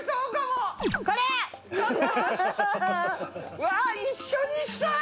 うわぁ一緒にしたい！